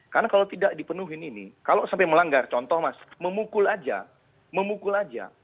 karena kalau tidak dipenuhi ini kalau sampai melanggar contoh mas memukul aja memukul aja